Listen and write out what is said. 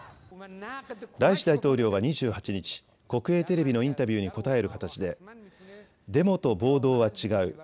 ライシ大統領は２８日、国営テレビのインタビューに答える形でデモと暴動は違う。